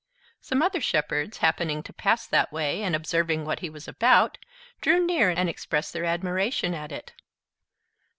Some other shepherds happening to pass that way, and observing what he was about, drew near, and expressed their admiration at it.